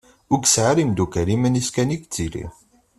Ur yesɛi ara imdukal, iman-is kan i yettili.